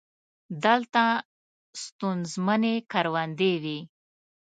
دلته ستونزمنې کروندې وې.